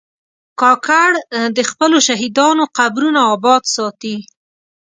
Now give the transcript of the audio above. کاکړ د خپلو شهیدانو قبرونه آباد ساتي.